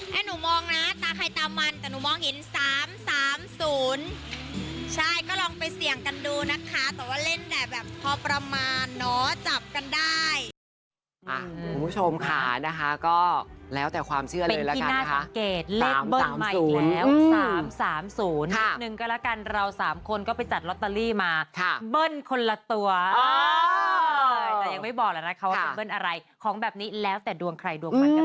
ให้หนูมองนะตาใครตามันแต่หนูมองเห็น๓๓๐ใช่ก็ลองไปเสี่ยงกันดูนะคะแต่ว่าเล่นแต่แบบพอประมาณเนาะจับกันได้